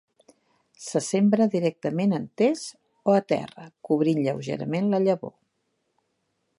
Se sembra directament en test o a terra, cobrint lleugerament la llavor.